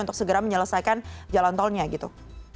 untuk segera menyelesaikan jalan tolnya gitu